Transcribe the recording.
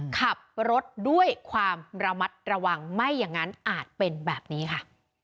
ขับรถด้วยความระมัดระวังไม่อย่างนั้นอาจเป็นแบบนี้ค่ะ